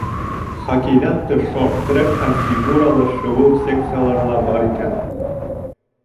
Хоккейҙан тыш шорт-трек һәм фигуралы шыуыу секциялары ла бар икән.